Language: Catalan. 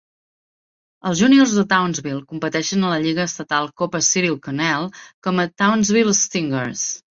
Els juniors de Townsville competeixen a la lliga estatal Copa Cyril Connell com a Townsville Stingers.